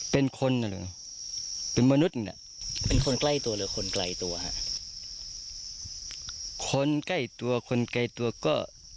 เป็นคนน่ะเหรอเป็นมนุษย์น่ะเป็นคนใกล้ตัวหรือคนไกลตัวฮะคนใกล้ตัวคนไกลตัวก็